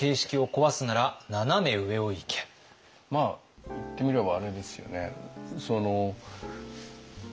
まあ言ってみればあれですよね。